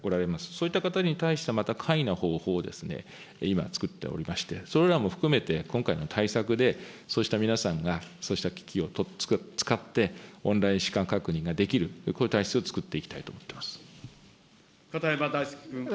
そういった方に対して、また簡易な方法を今つくっておりまして、それらも含めて、今回の対策で、そうした皆さんが、そうした機器を使って、オンライン資格確認ができる、こういう体制をつくっていきたいと片山大介君。